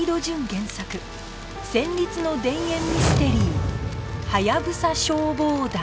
原作戦慄の田園ミステリー『ハヤブサ消防団』